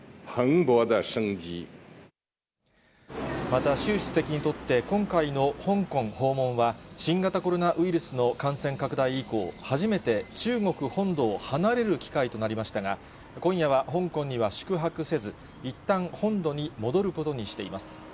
また習主席にとって、今回の香港訪問は、新型コロナウイルスの感染拡大以降、初めて中国本土を離れる機会となりましたが、今夜は香港には宿泊せず、いったん、本土に戻ることにしています。